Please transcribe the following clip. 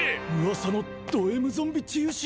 ・噂のドＭゾンビ治癒士？